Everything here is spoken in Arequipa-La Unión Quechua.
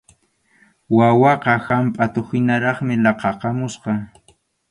Wawaqa hampʼatuhinaraqmi laqʼakamusqa.